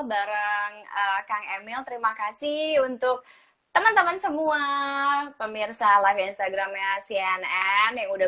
bareng kang emil terima kasih untuk teman teman semua pemirsa live instagramnya cnn yang udah